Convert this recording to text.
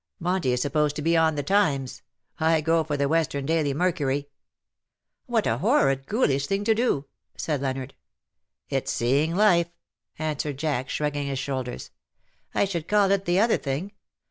Monty is supposed to be on the Times. I go for the Western Daily Mercury'* " What a horrid ghoulish thing to do/^ said Leonard. " It^s seeing life/^ answered Jack_, shrugging his shoulders. " I should call it the other thing.